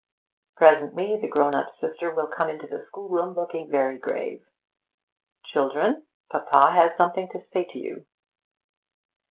Presently the grown up sister will come into the schoolroom, looking very grave: 'Children, Papa has something to say to you.'